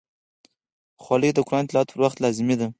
خولۍ د قرآن تلاوت پر وخت لازمي ده.